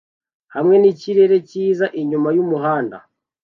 hamwe nikirere cyiza inyuma yumuhanda